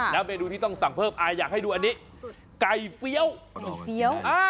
แล้วเมนูที่ต้องสั่งเพิ่มอยากให้ดูอันนี้